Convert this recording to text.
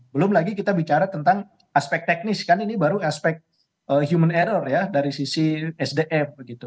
belum lagi kita bicara tentang aspek teknis kan ini baru aspek human error ya dari sisi sdm gitu